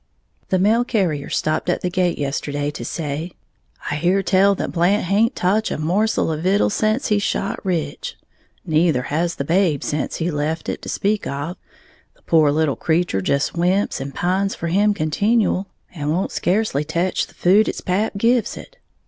_ The mail carrier stopped at the gate yesterday to say, "I hear tell that Blant haint toch a morsel of vittles sence he shot Rich. Neither has the babe, sence he left it, to speak of, the pore little creetur just whimps and pines for him continual, and won't scacely tech the food its pap gives it.